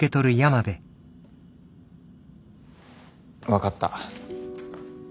分かった。